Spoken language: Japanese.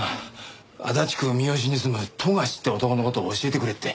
足立区三善に住む冨樫って男の事を教えてくれって。